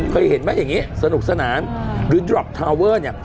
เคยเห็นไหมอย่างงี้สนุกสนานหรือเนี่ย